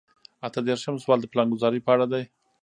اته دېرشم سوال د پلانګذارۍ په اړه دی.